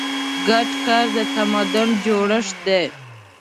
ګډ کار د تمدن جوړښت دی.